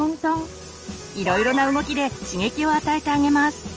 いろいろな動きで刺激を与えてあげます。